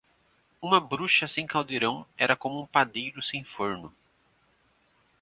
Uma bruxa sem caldeirão era como padeiro sem forno.